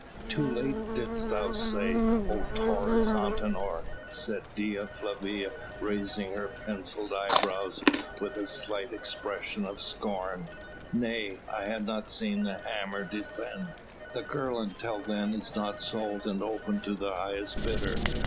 "Too late didst thou say, oh Taurus Antinor?" said Dea Flavia raising her pencilled eyebrows with a slight expression of scorn, "nay! I had not seen the hammer descend! The girl until then is not sold, and open to the highest bidder.